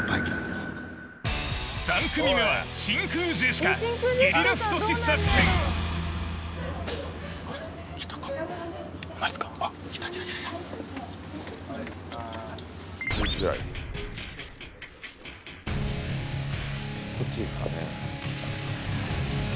３組目は真空ジェシカ来た来た来た来たこっちですかね